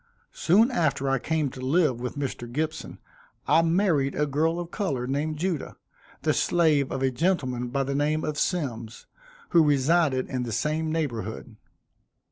Soon after I came to live with Mr. Gibson, I married a girl of color named Judah, the slave of a gentleman by the name of Symmes, who resided in the same neighborhood.